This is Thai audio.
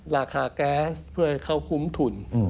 ราคาแก๊สเพื่อเข้าคุ้มทุน